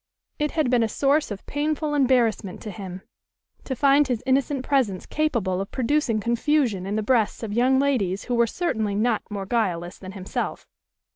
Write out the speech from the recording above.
It had been a source of painful embarrassment to him, to find his innocent presence capable of producing confusion in the breasts of young ladies who were certainly not more guileless than himself.